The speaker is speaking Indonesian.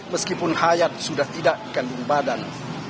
meskipun hayat sudah tidak kandung badan